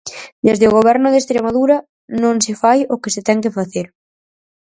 Desde o goberno de Estremadura non se fai o que se ten que facer.